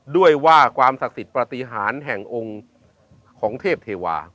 ด้วยว่าความศักดิ์สิทธิ์ปฏิหารแห่งองค์ของเทพเทวา